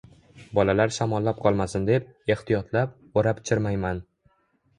Bolalar shamollab qolmasin deb, ehtiyotlab, o`rab-chirmayman